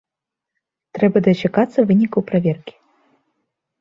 Трэба дачакацца вынікаў праверкі.